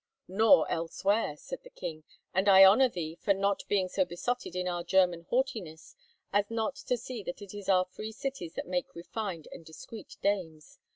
"Nor elsewhere," said the king; "and I honour thee for not being so besotted in our German haughtiness as not to see that it is our free cities that make refined and discreet dames.